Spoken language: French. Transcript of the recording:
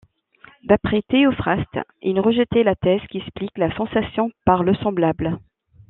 D'après Théophraste, il rejetait la thèse qui explique la sensation par le semblable.